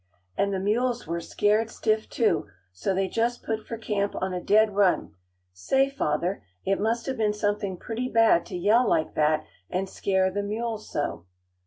"And the mules were scared stiff, too, so they just put for camp on a dead run. Say, father, it must have been something pretty bad to yell like that and scare the mules so."